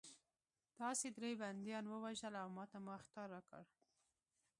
تاسې درې بندیان ووژل او ماته مو اخطار راکړ